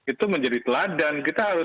itu menjadi teladan kita harus